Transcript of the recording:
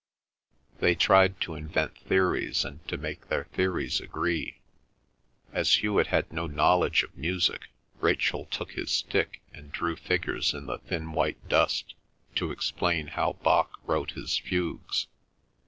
They tried to invent theories and to make their theories agree. As Hewet had no knowledge of music, Rachel took his stick and drew figures in the thin white dust to explain how Bach wrote his fugues.